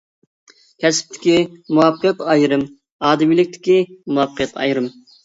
كەسىپتىكى مۇۋەپپەقىيەت ئايرىم، ئادىمىيلىكتىكى مۇۋەپپەقىيەت ئايرىم.